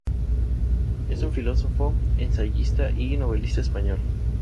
Es un filósofo, ensayista y novelista español.